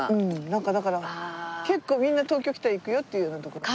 なんかだから結構みんな東京来たら行くよっていうようなとことか。